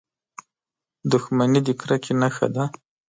• دښمني د کرکې نښه ده.